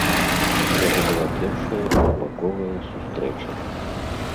Гэта была першая двухбаковая сустрэча.